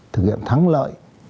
thực hiện thắng lợi